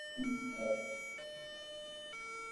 তুমিও কি প্লেন উড়াতে চাও?